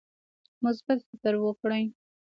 مثبت فکر وکړئ